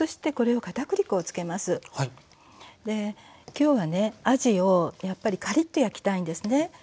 きょうはねあじをやっぱりカリッと焼きたいんですね。